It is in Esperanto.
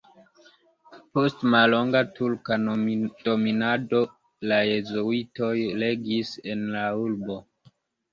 Post mallonga turka dominado la jezuitoj regis en la urbo.